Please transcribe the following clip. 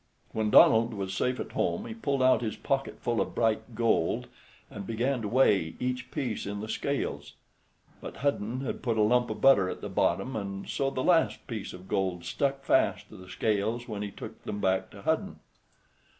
When Donald was safe at home, he pulled out his pocketful of bright gold and began to weigh each piece in the scales. But Hudden had put a lump of butter at the bottom, and so the last piece of gold stuck fast to the scales when he took them back to Hudden.